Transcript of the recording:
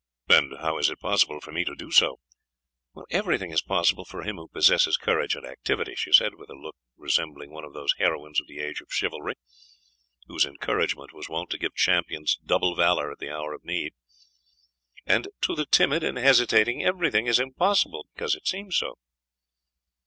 "And how is it possible for me to do so?" "Everything is possible for him who possesses courage and activity," she said, with a look resembling one of those heroines of the age of chivalry, whose encouragement was wont to give champions double valour at the hour of need; "and to the timid and hesitating, everything is impossible, because it seems so."